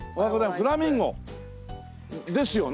フラミンゴ！ですよね？